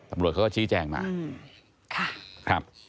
ตำรวจเขาก็ชี้แจงมาครับ